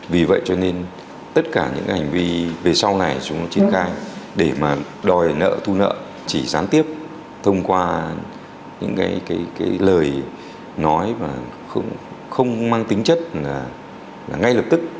vì vậy cho nên tất cả những hành vi về sau này chúng triển khai để mà đòi nợ thu nợ chỉ gián tiếp thông qua những lời nói và không mang tính chất là ngay lập tức